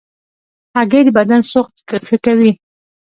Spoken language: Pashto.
هګۍ د بدن سوخت ښه کوي.